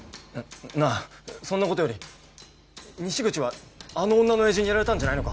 ななあそんなことより西口はあの女の親父にやられたんじゃないのか？